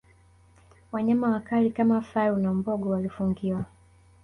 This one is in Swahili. Wanyama wakali kama faru na mbogo walifungiwa